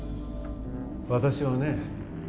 私はね